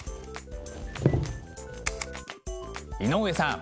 井上さん。